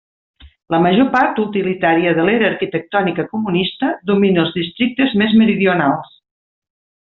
La major part utilitària de l'era arquitectònica comunista domina els districtes més meridionals.